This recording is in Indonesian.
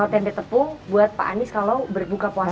tempe tepung buat pak anies kalau berbuka puasa